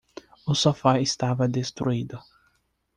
O sofá estava destruído